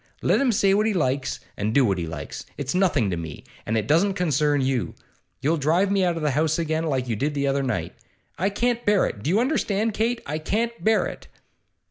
Let him say what he likes and do what he likes. It's nothing to me, and it doesn't concern you. You'll drive me out of the house again, like you did the other night. I can't bear it. Do you understand, Kate? I can't bear it!